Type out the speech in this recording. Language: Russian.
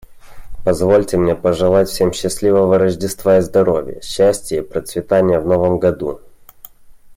Позвольте мне пожелать всем счастливого Рождества и здоровья, счастья и процветания в новом году.